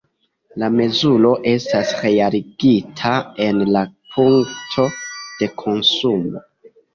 La mezuro estas realigita en la punkto de konsumo.